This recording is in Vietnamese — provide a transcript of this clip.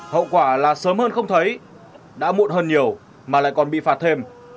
hậu quả là sớm hơn không thấy đã muộn hơn nhiều mà lại còn bị phạt thêm